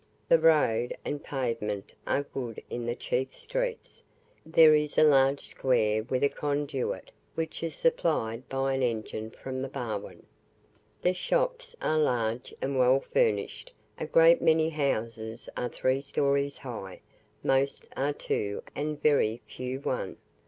The road and pavement are good in the chief streets; there is a large square with a conduit, which is supplied by an engine from the Barwin. The shops are large and well furnished, a great many houses are three stories high, most are two, and very few one.